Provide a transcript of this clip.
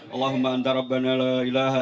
allahumma anta rabbana la ilaha